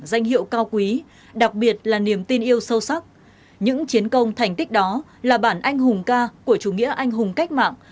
danh hiệu cao quý đặc biệt là niềm tin yêu sâu sắc những chiến công thành tích đó là bản anh hùng ca của chủ nghĩa anh hùng cách mạng